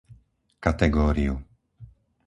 kategóriu